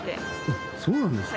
そうなんですか。